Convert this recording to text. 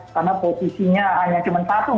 karena posisinya hanya cuman satu